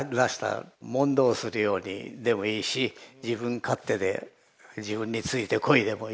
問答するようにでもいいし自分勝手で「自分についてこい！」でもいいし。